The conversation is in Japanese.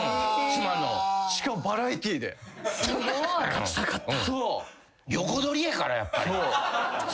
「勝ちたかった」